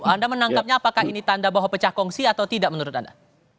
anda menangkapnya apakah ini tanda bahwa pecah kongsi atau tidak menurut anda